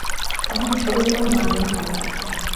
মানে এসবের কোন মানেই হয় না।